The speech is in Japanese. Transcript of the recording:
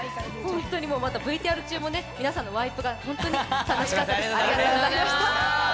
ＶＴＲ中の皆さんのワイプがホントに楽しかったです。